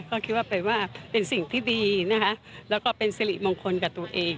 ก็คิดว่าเป็นสิ่งที่ดีแล้วก็เป็นสิริมงคลกับตัวเอง